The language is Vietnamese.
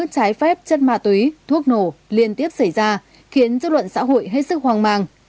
trái phép chất ma túy thuốc nổ liên tiếp xảy ra khiến dư luận xã hội hết sức hoang mang